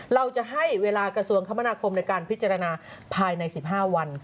เราจะให้เวลากระทรวงคมนาคมในการพิจารณาภายใน๑๕วัน